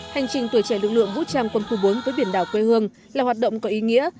hành trình tuổi trẻ lực lượng vũ trang quân khu bốn với biển đảo quê hương là hoạt động có ý nghĩa